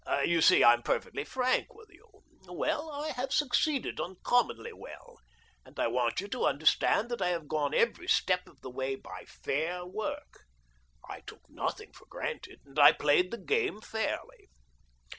You see I'm per fectly frank with you. Well, I have succeeded uncommonly well. And I want you to under stand that I have gone every step of the way by fair work. I took nothing for granted, and I played the game fairly.